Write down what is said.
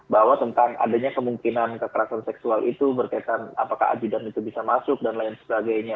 bahwa tentang adanya kemungkinan kekerasan seksual itu berkaitan apakah ajudan itu bisa masuk dan lain sebagainya